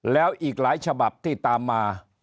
แล้วอีกหลายฉบับที่ตามมา